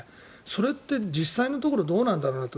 それって実際のところどうなんだろうなって。